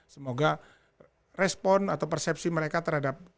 semoga respon atau persepsi mereka terhadap